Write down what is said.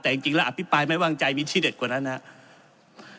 แต่จริงแล้วอภิปรายไม่ว่างใจมีที่เด็ดกว่านั้นนะครับ